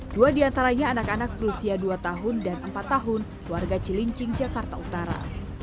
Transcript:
dua diantaranya anak anak berusia dua tahun dan empat tahun warga cilincing jakarta utara